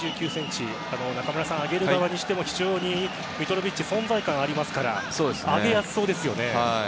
中村さん、上げる側にしても非常にミトロヴィッチは存在感がありますから上げやすそうですね。